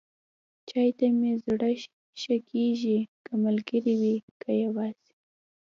چای ته مې زړه ښه کېږي، که ملګری وي، که یواځې.